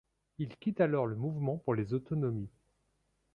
Il quitte alors le Mouvement pour les autonomies.